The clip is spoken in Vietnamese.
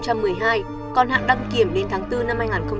còn hạn đăng kiểm đến tháng bốn năm hai nghìn hai mươi